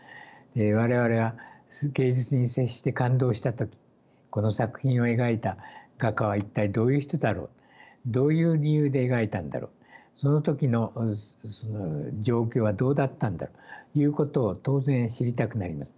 我々は芸術に接して感動した時この作品を描いた画家は一体どういう人だろうどういう理由で描いたんだろうその時の状況はどうだったんだろうということを当然知りたくなります。